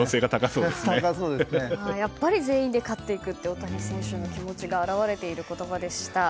やっぱり全員で勝っていくっていう大谷選手の気持ちが表れている言葉でした。